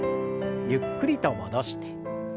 ゆっくりと戻して。